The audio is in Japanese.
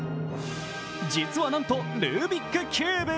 実は、なんとルービックキューブ。